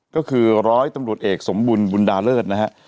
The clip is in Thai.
ก็คือร้อยตำรวจเอกสมบุญบุญดาเลิศนะฮะ